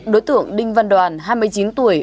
đối tượng đinh văn đoàn hai mươi chín tuổi